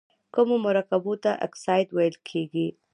کومو مرکبونو ته اکساید ویل کیږي؟